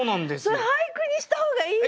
それ俳句にした方がいいよ。